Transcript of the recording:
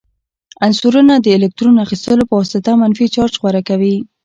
عنصرونه د الکترون اخیستلو په واسطه منفي چارج غوره کوي.